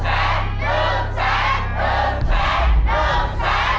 หนึ่งแสนหนึ่งแสนหนึ่งแสน